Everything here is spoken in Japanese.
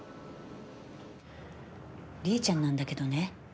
りえちゃんなんだけどね